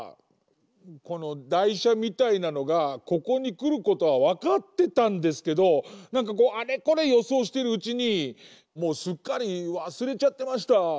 このだいしゃみたいなのがここにくることはわかってたんですけどなんかこうあれこれよそうしてるうちにもうすっかりわすれちゃってました。